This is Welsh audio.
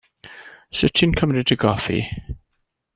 Sut ti'n cymryd dy goffi?